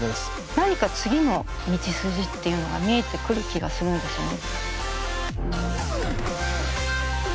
何か次の道筋っていうのが見えてくる気がするんですよね。